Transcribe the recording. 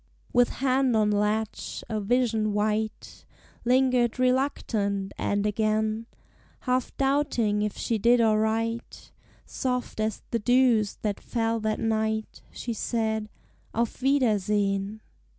With hand on latch, a vision white Lingered reluctant, and again Half doubting if she did aright, Soft as the dews that fell that night, She said, "Auf wiedersehen!"